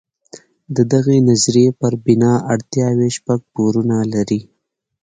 د دغې نظریې پر بنا اړتیاوې شپږ پوړونه لري.